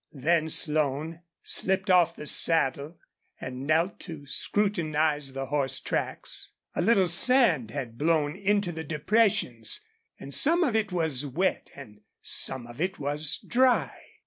Then Slone slipped off the saddle and knelt to scrutinize the horse tracks. A little sand had blown into the depressions, and some of it was wet and some of it was dry.